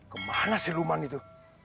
kemana siluman itu